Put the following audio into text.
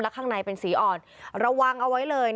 ข้างในเป็นสีอ่อนระวังเอาไว้เลย